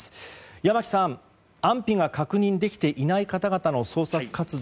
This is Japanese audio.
山木さん、安否が確認できていない方々の捜索活動